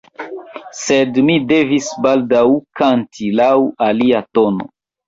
Sed mi devis baldaŭ kanti laŭ alia tono.